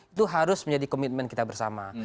itu harus menjadi komitmen kita bersama